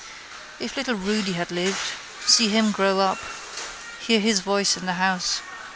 If little Rudy had lived. See him grow up. Hear his voice in the house.